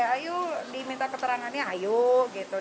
ayo diminta keterangannya ayo gitu